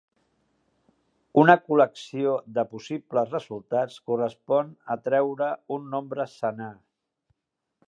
Una col·lecció de possibles resultats correspon a treure un nombre senar.